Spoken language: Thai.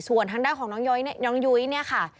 ส่วนทางด้านของน้องยุ้ยเนี่ยค่ะ